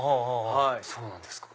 そうなんですか。